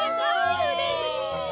うれしい！